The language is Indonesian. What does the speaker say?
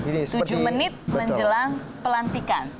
tujuh menit menjelang pelantikan